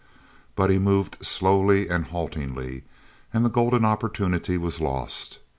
But he moved slowly and haltingly, and the golden opportunity was lost.